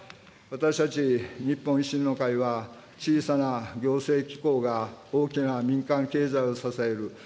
私たち、日本維新の会は、小さな行政機構が大きな民間経済を支える。